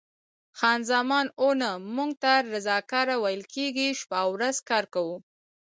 خان زمان: اوه، نه، موږ ته رضاکاره ویل کېږي، شپه او ورځ کار کوو.